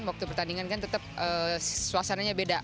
waktu pertandingan kan tetap suasananya beda